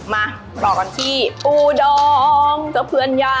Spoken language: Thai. มาต่อกันที่ปูดองเจ้าเพื่อนย่า